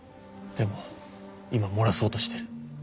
でも今漏らそうとしてる。